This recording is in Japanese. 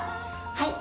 はい。